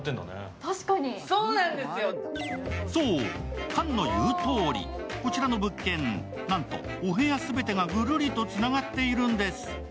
そう、菅の言うとおり、こちらの物件、なんとお部屋全てがぐるりとつながっているんです。